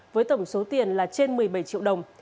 với tổng số tiền là trên một mươi bảy triệu đồng